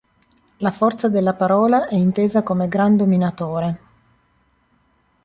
La forza della parola è intesa come "gran dominatore".